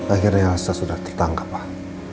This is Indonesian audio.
akhirnya elsa sudah ditangkap pak